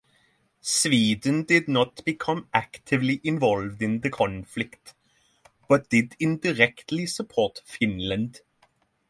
Sweden did not become actively involved in the conflict, but did indirectly support Finland.